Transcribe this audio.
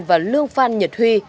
và lương phan nhật huy